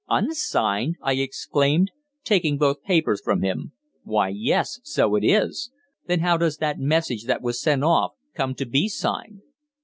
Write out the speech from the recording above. "Unsigned!" I exclaimed, taking both papers from him. "Why yes, so it is! Then how does that message that was sent off come to be signed?"